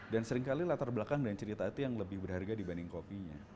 dan seringkali latar belakang dan cerita itu yang lebih berharga dibanding kopinya